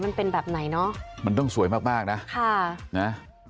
มันเป็นแบบไหนเนอะมันต้องสวยมากมากนะค่ะนะ